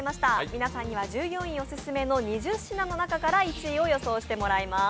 皆さんには従業員オススメの２０品の中から１位を予想してもらいます